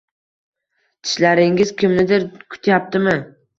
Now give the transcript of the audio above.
- Tishlaringiz kimnidir kutyaptimi?